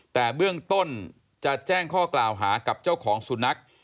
แต่เบื้องต้นจะแจ้งข้อกล่าวหากับเจ้าของสุนัข